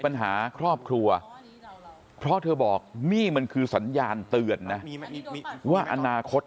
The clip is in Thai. ปัญหาครอบครัวเพราะเธอบอกนี่มันคือสัญญาณเตือนนะว่าอนาคต